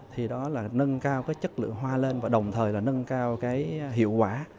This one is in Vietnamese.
thì đó là nâng cao cái chất lượng hoa lên và đồng thời là nâng cao cái hiệu quả